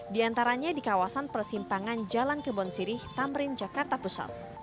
di antaranya di kawasan persimpangan jalan kebon sirih tamrin jakarta pusat